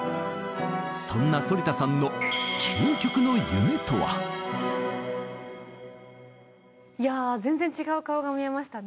そんな反田さんのいや全然違う顔が見えましたね。